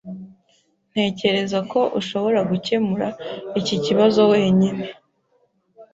Ntekereza ko ushobora gukemura iki kibazo wenyine.